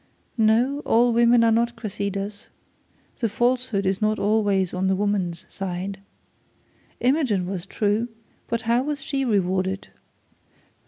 'No; all women are not Cressids. The falsehood is not always on the woman's side. Imogen was true, but now was she rewarded?